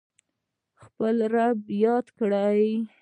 خپل رب یاد کړئ